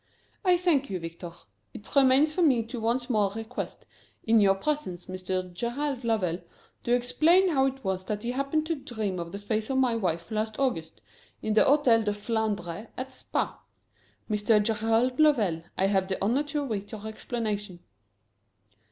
"I thank you, Victor. It remains for me to once more request, in your presence, Mr. Gerald Lovell to explain how it was that he happened to dream of the face of my wife last August, in the Hôtel de Flandre, at Spa. Mr. Gerald Lovell, I have the honour to await your explanation."